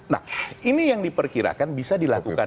nah ini yang diperkirakan bisa dilakukan